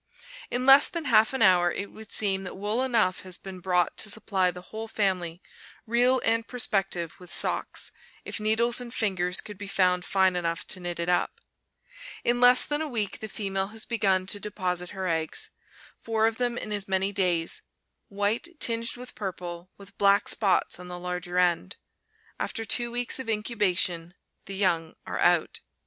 In less than half an hour it would seem that wool enough has been brought to supply the whole family, real and prospective, with socks, if needles and fingers could be found fine enough to knit it up. In less than a week the female has begun to deposit her eggs, four of them in as many days, white tinged with purple, with black spots on the larger end. After two weeks of incubation the young are out.